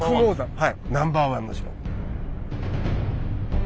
はい。